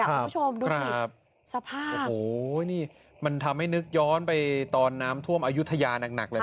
คุณผู้ชมดูครับสภาพโอ้โหนี่มันทำให้นึกย้อนไปตอนน้ำท่วมอายุทยาหนักเลยนะ